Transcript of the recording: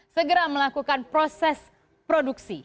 segera melakukan proses produksi